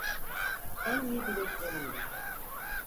En iyi dileklerimle.